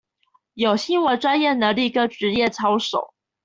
有新聞專業能力跟職業操守